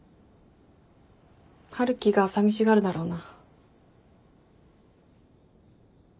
春樹がさみしがるだろうな。